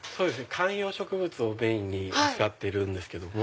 観葉植物をメインに扱っているんですけども。